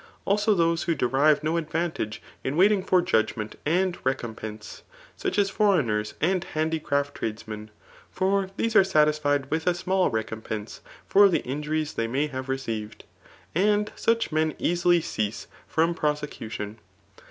Also those who derirei no advantage in waiting for judgment and recompence^ sach as foreigners and handicraft tradesmen ; for these ans satisfied with a small recompense for the injuries they nay have recced, and such men eastty cease from pro ipcution.